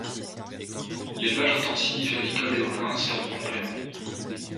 L'élevage intensif, avicole et ovin, sert de complément.